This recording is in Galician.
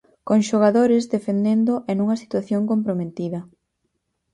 Con xogadores defendendo e nunha situación comprometida.